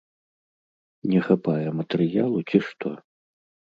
Не хапае матэрыялу, ці што?